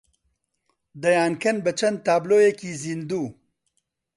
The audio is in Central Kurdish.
دەیانکەن بە چەند تابلۆیەکی زیندوو